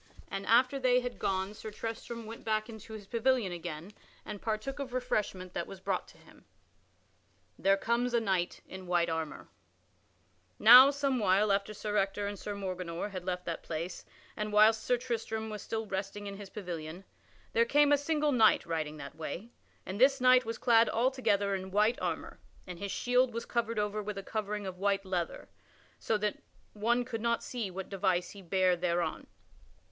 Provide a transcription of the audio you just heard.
And after they had gone Sir Tristram went back into his pavilion again and partook of refreshment that was brought to him. [Sidenote: There comes a knight in white armor] Now, some while after Sir Ector and Sir Morganor had left that place, and whilst Sir Tristram was still resting in his pavilion, there came a single knight riding that way, and this knight was clad altogether in white armor and his shield was covered over with a covering of white leather, so that one could not see what device he bare thereon.